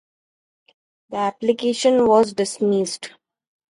The application was dismissed.